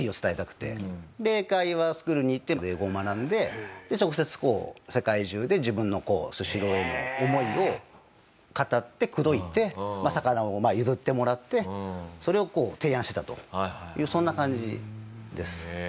で英会話スクールに行って英語を学んで直接世界中で自分のスシローへの思いを語って口説いて魚を譲ってもらってそれを提案してたというそんな感じです。